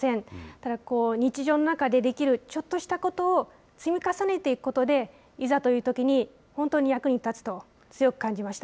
ただ、日常の中でできるちょっとしたことを積み重ねていくことで、いざというときに本当に役に立つと、強く感じました。